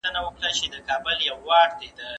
هغه څوک چي سبزیحات وچوي روغ وي؟!